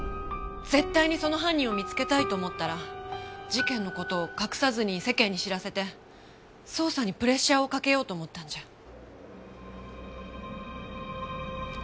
絶対にその犯人を見つけたいと思ったら事件の事を隠さずに世間に知らせて捜査にプレッシャーをかけようと思ったんじゃ。